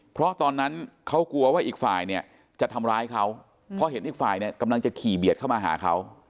เพราะตอนนั้นเขากลัวว่าอีกฝ่ายเนี่ยจะทำร้ายเขาเพราะเห็นอีกฝ่ายเนี่ยกำลังจะขี่เบียดเข้ามาหาเขา